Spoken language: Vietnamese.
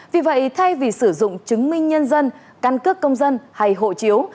vì vậy thay vì sử dụng chứng minh nhân dân căn cước công dân hay hộ chiếu